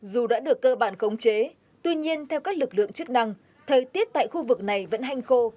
dù đã được cơ bản khống chế tuy nhiên theo các lực lượng chức năng thời tiết tại khu vực này vẫn hanh khô